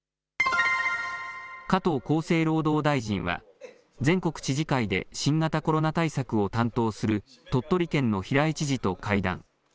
加藤厚生労働大臣は、全国知事会で新型コロナ対策を担当する鳥取県の平井知事と会談。